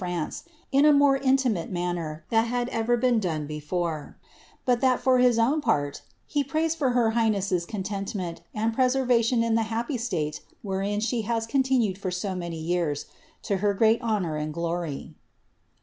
FraoM la ■ more intimate manner than had ever been done before ; but that, for ha ■nwn part, he prays for her highness's contentment and prescrvaiioi) in that happy stale wherein she has continued for so many years, to te great honour and glory."